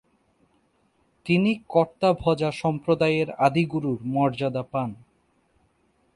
তিনি কর্তাভজা সম্প্রদায়ের আদিগুরুর মর্যাদা পান।